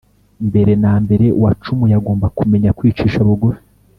mbere na mbere uwacumuye agomba kumenya kwicisha bugufi